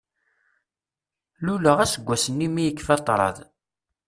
Luleɣ aseggas-nni mi yekfa ṭṭraḍ.